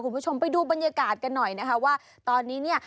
คุณผู้ชมไปดูบรรยากาศกันหน่อยนะคะว่าตอนนี้เนี่ย